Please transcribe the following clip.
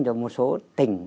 rồi một số tỉnh